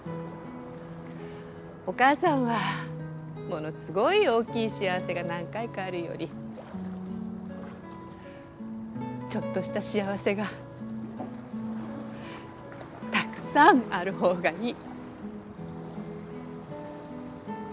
お母さんはものすごい大きい幸せが何回かあるよりちょっとした幸せがたくさんある方がいい。